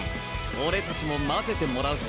俺たちも交ぜてもらうぞ。